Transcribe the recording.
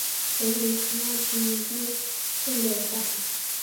د وریښمو چینجی څنګه وساتم؟